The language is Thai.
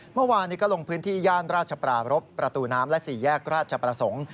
เมื่อวานนี้ก็ลงพื้นที่ย่านราชปรารบประตูน้ำและ๔แยกราชประสงค์